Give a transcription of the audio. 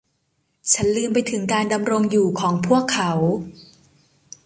ฉันลืมไปถึงการดำรงอยู่ของพวกเขา